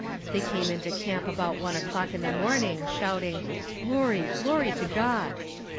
They came into camp about one o'clock in the morning, shouting "Glory! Glory to God!"